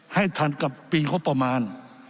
ให้ท่านกับปีครับประมาณ